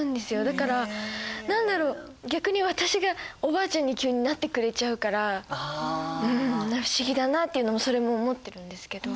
だから何だろう逆に私がおばあちゃんに急になってくれちゃうから不思議だなっていうのもそれも思ってるんですけど。